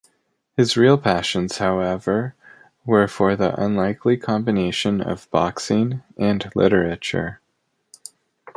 His real passions, however, were for the unlikely combination of boxing and literature.